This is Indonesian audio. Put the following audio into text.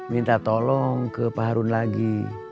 minta tolong ke pak harun lagi